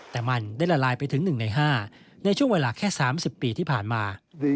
แต่มันได้ละลายไปถึง๑ใน๕ในช่วงเวลาแค่๓๐ปีที่ผ่านมา